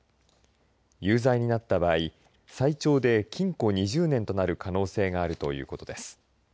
有罪になった場合、最長で禁錮２０年となる可能性があるということです。